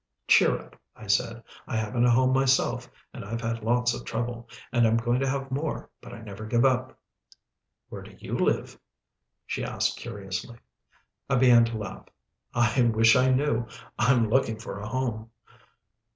"Cheer up," I said, "I haven't a home myself, and I've had lots of trouble, and I'm going to have more, but I never give up." "Where do you live?" she asked curiously. I began to laugh. "I wish I knew. I'm looking for a home."